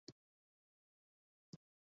وطن عزیز کو فلاحی ریاست کے سانچے میں ڈھالیں گے